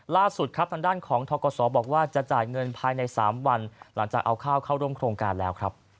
ล่าสุดครับทางด้านของทกศบอกว่าจะจ่ายเงินภายใน๓วันหลังจากเอาข้าวเข้าร่วมโครงการแล้วครับ